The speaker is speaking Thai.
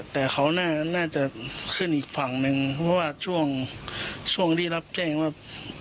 แต่เขาน่าจะขึ้นอีกฝั่งหนึ่งเพราะว่าช่วงช่วงที่รับแจ้งว่า